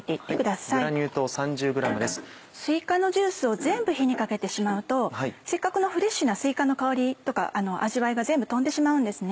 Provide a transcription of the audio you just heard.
すいかのジュースを全部火にかけてしまうとせっかくのフレッシュなすいかの香りとか味わいが全部飛んでしまうんですね。